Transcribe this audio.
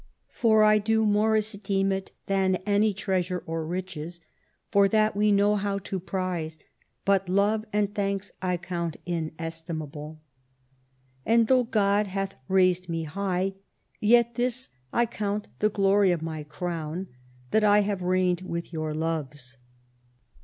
For I do more esteem it than any treasure or riches; for that we know how to prize, but love and thanks I count inestimable. And though God hath raised me high, yet this I count the glory of my Crown, that I have reigned with your loves.